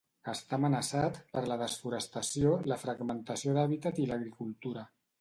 Està amenaçat per la desforestació, la fragmentació d'hàbitat i l'agricultura.